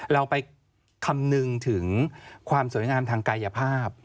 เราไปคำนึงถึงความสวยงามทางกายภาพ